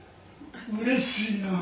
うれしいなあ。